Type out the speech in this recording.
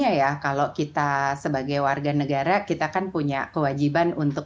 iya ya kalau kita sebagai warga negara kita kan punya kewajiban untuk